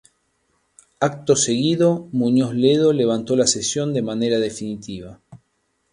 Acto seguido Muñoz Ledo levantó la sesión de manera definitiva.